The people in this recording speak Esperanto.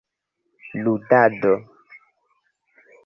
ludado